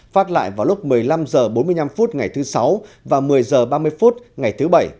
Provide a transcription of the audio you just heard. phát lại vào lúc một mươi năm h bốn mươi năm ngày thứ sáu và một mươi h ba mươi phút ngày thứ bảy